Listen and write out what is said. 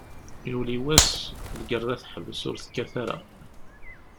Yuli wass, lgerra teḥbes ur tekkat ara.